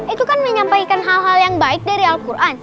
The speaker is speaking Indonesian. itu kan menyampaikan hal hal yang baik dari al quran